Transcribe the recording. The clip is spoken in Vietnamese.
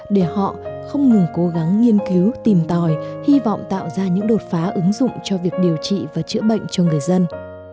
để họ không ngừng cố gắng nghiên cứu tìm tòi hy vọng tạo ra những đột phá ứng dụng cho việc điều trị và chữa bệnh cho người dân